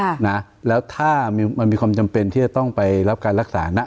ค่ะนะแล้วถ้ามันมีความจำเป็นที่จะต้องไปรับการรักษานะ